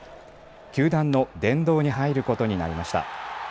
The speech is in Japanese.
球団の殿堂に入ることになりました。